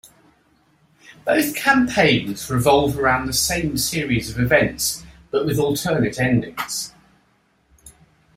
Both campaigns revolve around the same series of events, but with alternate endings.